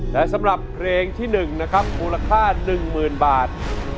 และสำหรับเพลงที่หนึ่งรูราค่าหนึ่งหมื่นบาท